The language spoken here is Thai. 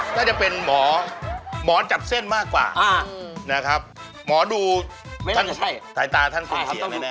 ผมว่าคุณพ่อที่ใส่แว่นเหมือนตีใหญ่เนี่ยนะฮะ